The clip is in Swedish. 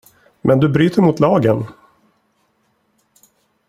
Men du bryter mot lagen.